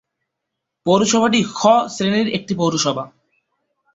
পৌরসভাটি 'খ' শ্রেণির একটি পৌরসভা।